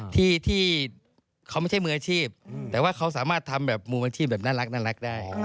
ที่เขาไม่ใช่มืออาชีพแต่ว่าเขาสามารถทำแบบมืออาชีพแบบน่ารักได้